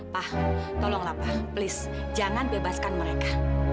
pak tolonglah pak please jangan bebaskan mereka